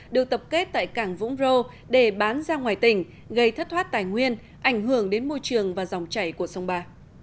được tập kết tại cảng vũng rô để bán ra ngoài tỉnh gây thất thoát tài nguyên ảnh hưởng đến môi trường và dòng chảy của sông ba